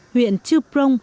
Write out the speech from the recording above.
huyện chư prong